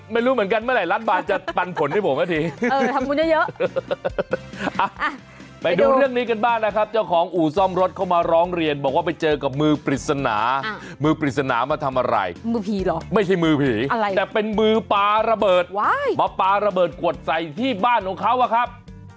มือผีหรอไม่ใช่มือผีอะไรแต่เป็นมือปลาระเบิดว้ายมาปลาระเบิดกวดใส่ที่บ้านของเขาอ่ะครับ